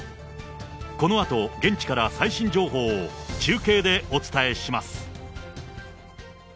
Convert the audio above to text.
このあと、現地から最新情報を中継でお伝えします。